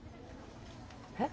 えっ？